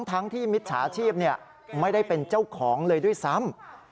ทั้งที่มิจฉาชีพไม่ได้เป็นเจ้าของเลยด้วยซ้ำ